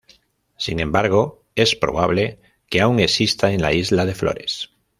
Sin embargo, es probable que aún exista en la isla de Flores.